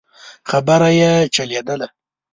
خبره يې چلېدله.